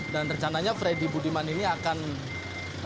dan rencananya freddy budiman ini akan mengikuti